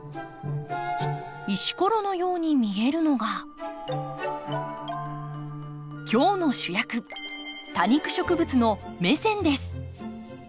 石ころのように見えるのが今日の主役多肉植物のメセンです。